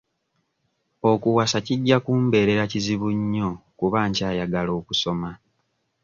Okuwasa kijja kumbeerera kizibu nnyo kuba nkyayagala okusoma.